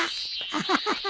アハハハ。